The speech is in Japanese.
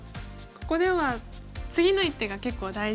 ここでは次の一手が結構大事で。